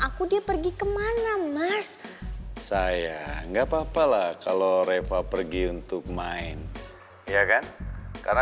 aku dia pergi kemana mas saya enggak apa apa lah kalau reva pergi untuk main ya kan karena